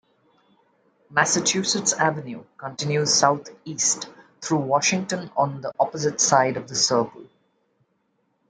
Massachusetts Avenue continues southeast through Washington on the opposite side of the circle.